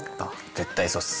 絶対そうっす。